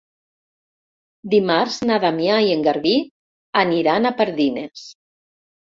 Dimarts na Damià i en Garbí aniran a Pardines.